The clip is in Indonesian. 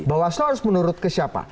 bawah selu harus menurut ke siapa